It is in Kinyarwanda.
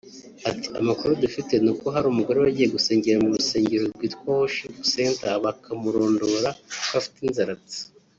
Ati “ Amakuru dufite n’uko hari umugore wagiye gusengera mu rusengero rwitwa “ Worship Center” bakamurondora ko afite inzaratsi